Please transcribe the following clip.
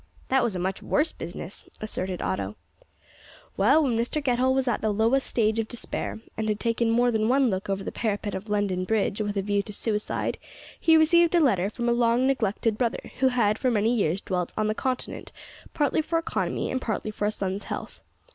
"That was a much worse business," asserted Otto. "Well, when Mr Getall was at the lowest stage of despair, and had taken more than one look over the parapet of London Bridge with a view to suicide, he received a letter from a long neglected brother, who had for many years dwelt on the Continent, partly for economy and partly for a son's health.